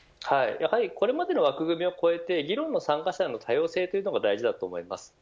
これまでの枠組みを超えて議論の参加者の多様性も大切だと思います。